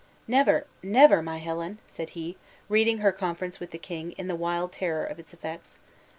"Never, never, my Helen!" said he, reading her conference with the king in the wild terror of its effects.